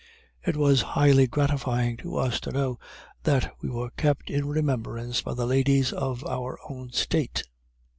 It was highly gratifying to us to know that we were kept in remembrance by the ladies of our own State.